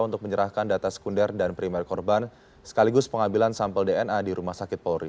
untuk menyerahkan data sekunder dan primer korban sekaligus pengambilan sampel dna di rumah sakit polri